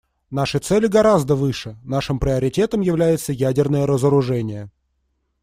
Наши цели гораздо выше, нашим приоритетом является ядерное разоружение.